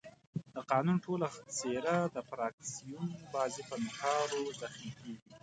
د قانون ټوله څېره د فراکسیون بازۍ په نوکارو زخمي کېږي.